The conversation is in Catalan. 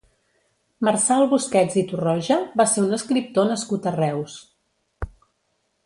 Marçal Busquets i Torroja va ser un escriptor nascut a Reus.